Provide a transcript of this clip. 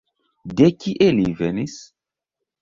De kie li venis?